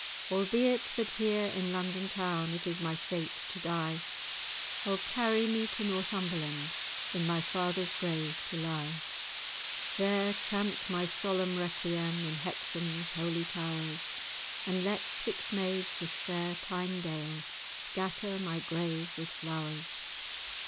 Albeit that here in London town It is my fate to die, O carry me to Northumberland, In my father's grave to lie: There chant my solemn requiem In Hexham's holy towers, And let six maids of fair Tynedale Scatter my grave with flowers.